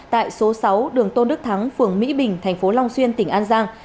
tại số sáu đường tôn đức thắng phường mỹ bình thành phố long xuyên tỉnh an giang